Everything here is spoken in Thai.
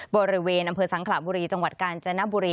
บริเวณอำเภอสังขระบุรีจังหวัดกาญจนบุรี